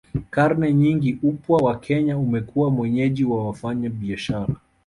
Karne nyingi upwa wa Kenya umekuwa mwenyeji wa wafanyabiashara